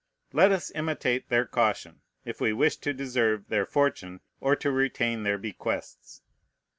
Let us imitate their caution, if we wish to deserve their fortune or to retain their bequests.